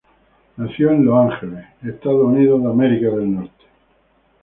Nació en Los Ángeles, Estados Unidos.